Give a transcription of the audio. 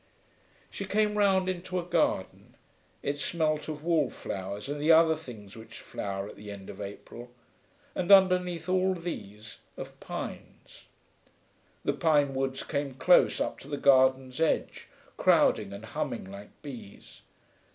She came round into a garden. It smelt of wallflowers and the other things which flower at the end of April; and, underneath all these, of pines. The pine woods came close up to the garden's edge, crowding and humming like bees.